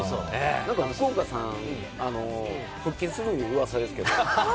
福岡さん、復帰するといううわさですけど。